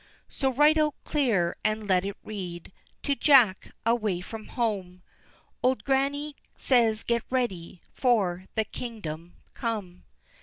So write out clear, and let it read, _To Jack, away from home, Old Grannie, says get ready For the Kingdom come.